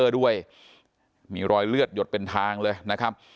ด้วยมีรอยเลือดหยดเป็นทางเลยนะครับ